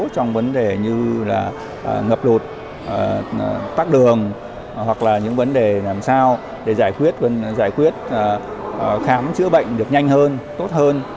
trong vấn đề như là ngập lụt tắt đường hoặc là những vấn đề làm sao để giải quyết khám chữa bệnh được nhanh hơn tốt hơn